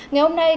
ngày hôm nay